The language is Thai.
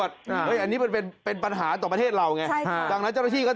ไปตรวจโอ๊ยอันนี้เป็นปัญหาต่อประเทศเราไง